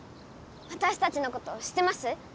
わたしたちのこと知ってます？